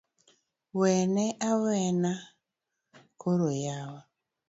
Wene awena kore yawa